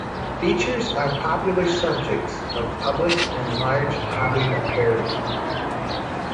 Bichirs are popular subjects of public and large hobby aquaria.